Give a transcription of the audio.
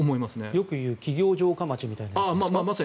よく言う企業城下町みたいなことですか？